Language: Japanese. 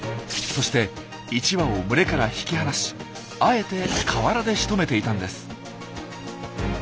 そして１羽を群れから引き離しあえて河原でしとめていたんです。